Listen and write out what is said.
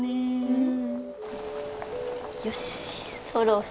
うん！